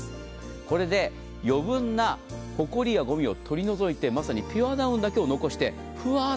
これで余分なほこりやごみを取り除いて、まさにピュアダウンだけを残してふわっ。